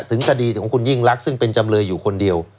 ถึงคดีของคุณยิ่งรักซึ่งเป็นจำเลยอยู่คนเดียว